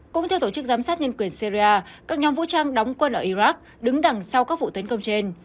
cũng theo tổ chức giám sát nhân quyền syria các nhóm vũ trang đóng quân ở iraq đứng đằng sau các vụ tấn công trên